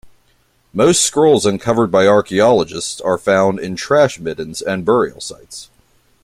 Most scrolls uncovered by archaeologists are found in trash middens and burial sites.